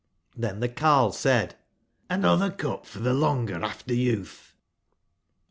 XTben tbe carle said: ''Hnotber cup for tbe longer after youth!"